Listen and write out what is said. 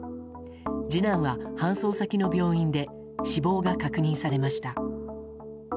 次男は搬送先の病院で死亡が確認されました。